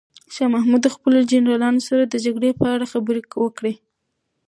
شاه محمود د خپلو جنرالانو سره د جګړې په اړه خبرې وکړې.